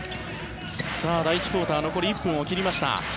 第１クオーター残り１分を切りました。